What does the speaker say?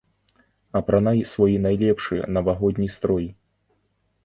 Апранай свой найлепшы навагодні строй!